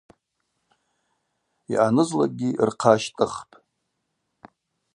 Йъанызлакӏгьи рхъа щтӏыхпӏ.